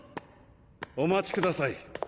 お待ちください！